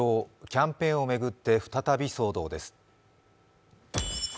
キャンペーンを巡って再び、騒動です。